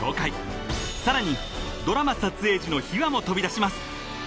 ［さらにドラマ撮影時の秘話も飛び出します］